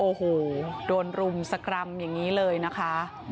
โอ้โหโดนรุมสกรรมอย่างนี้เลยนะคะ